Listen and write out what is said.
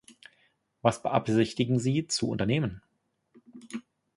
Was beabsichtigen Sie zu unternehmen?